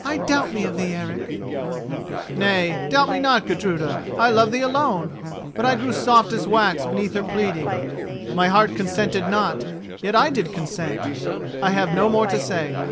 I doubt me of thee, Eric!" "Nay, doubt me not, Gudruda. I love thee alone, but I grew soft as wax beneath her pleading. My heart consented not, yet I did consent. I have no more to say."